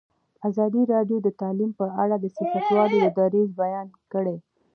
ازادي راډیو د تعلیم په اړه د سیاستوالو دریځ بیان کړی.